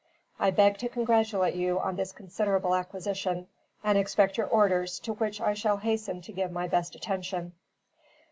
I beg to congratulate you on this considerable acquisition, and expect your orders, to which I shall hasten to give my best attention.